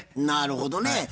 なるほどね。